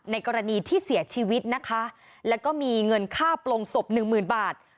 กรณีที่เสียชีวิตนะคะแล้วก็มีเงินค่าโปรงศพหนึ่งหมื่นบาท